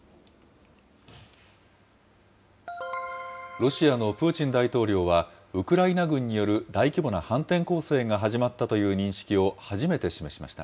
ロシアのプーチン大統領は、ウクライナ軍による大規模な反転攻勢が始まったという認識を初めて示しました。